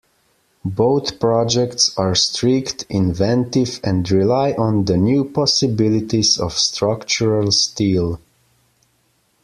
Both projects are strict, inventive, and rely on the new possibilities of structural steel.